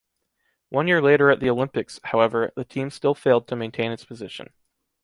One year later at the Olympics, however, the team still failed to maintain its position.